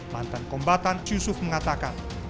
mantan kombatan syusuf mengatakan